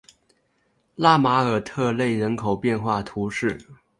拉马尔特勒人口变化图示